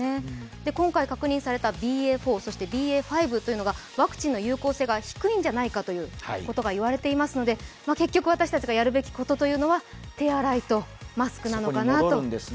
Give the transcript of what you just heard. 今回確認されたＢＡ．４、ＢＡ．５というのが、ワクチンの有効性が低いんじゃないかということがいわれていますので結局私たちがやるべきことというのは手洗いとマスクなのかなと。